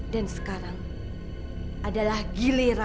dan sekarang adalah giliranmu